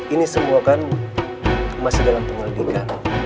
ini semua kan masih dalam penyelidikan